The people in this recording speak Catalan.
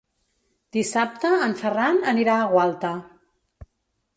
Dissabte en Ferran anirà a Gualta.